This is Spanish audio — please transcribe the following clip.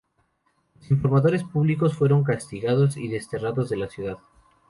Los informadores públicos fueron castigados y desterrados de la ciudad.